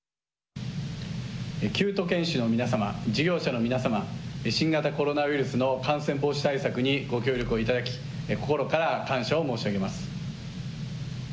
９都県市の皆様、事業者の皆様、新型コロナウイルスの感染防止対策にご協力をいただき心から感謝を申し上げます。